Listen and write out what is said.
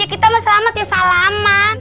kita mah selamat ya selamat